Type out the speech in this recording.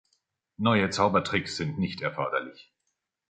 Neue Zaubertricks sind nicht erforderlich.